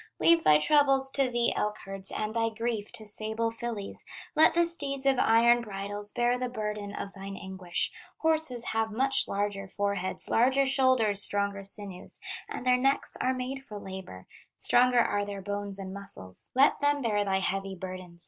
Leave thy troubles to the elk herds, And thy grief to sable fillies, Let the steeds of iron bridles Bear the burden of thine anguish, Horses have much larger foreheads, Larger shoulders, stronger sinews, And their necks are made for labor, Stronger are their bones and muscles, Let them bear thy heavy burdens.